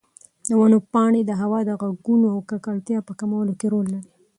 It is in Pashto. د ونو پاڼې د هوا د غږونو او ککړتیا په کمولو کې رول لري.